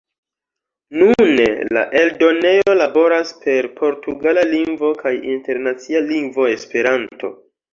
Nune, la eldonejo laboras per portugala lingvo kaj Internacia Lingvo Esperanto.